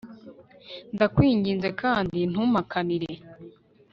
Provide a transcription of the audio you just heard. ndakwinginze kandi ntumpakanire